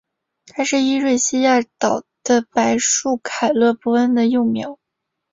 它是伊瑞西亚岛的白树凯勒博恩的幼苗。